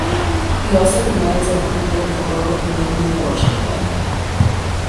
He also demands that the people of the Global Community worship him.